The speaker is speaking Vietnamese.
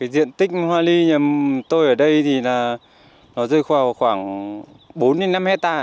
diện tích hoa ly nhà tôi ở đây rơi khoảng bốn năm hectare